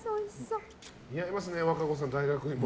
似合いますね、和歌子さん大学いも。